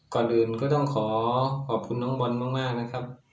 ก่อนอื่นก็ต้องขอขอบคุณน้องบอลมากนะครับ